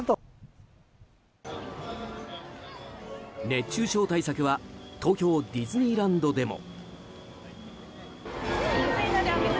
熱中症対策は東京ディズニーランドでも。